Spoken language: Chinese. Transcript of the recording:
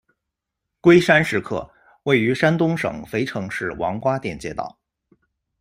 圭山石刻，位于山东省肥城市王瓜店街道。